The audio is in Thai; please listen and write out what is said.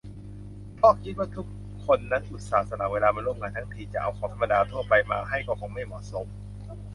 เพราะคิดว่าทุกคนนั้นอุตส่าห์สละเวลามาร่วมงานทั้งที จะเอาของธรรมดาทั่วไปมาให้ก็คงไม่เหมาะสม